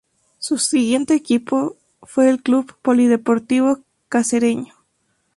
Su siguiente equipo fue el Club Polideportivo Cacereño.